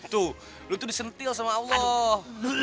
tuh lu tuh disentil sama allah